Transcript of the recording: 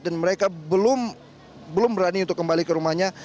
dan mereka belum berani untuk kembali ke rumahnya